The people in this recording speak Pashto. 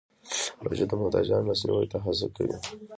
روژه د محتاجانو لاسنیوی ته هڅوي.